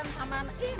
saya tanyakan besok ya